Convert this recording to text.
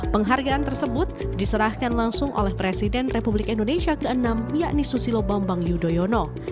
penghargaan tersebut diserahkan langsung oleh presiden republik indonesia ke enam yakni susilo bambang yudhoyono